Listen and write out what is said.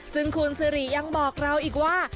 ซึ่งคุณสิริยังบอกเราอีกว่า